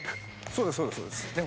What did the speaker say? そうですそうです。